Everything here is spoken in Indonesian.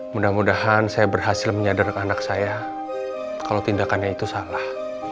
mudah mudahan saya berhasil menyadar anak saya kalau tindakannya itu salah